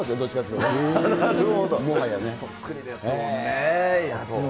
そっくりですもんね。